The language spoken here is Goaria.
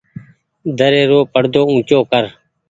دري رو پڙدو اونچو ڪر۔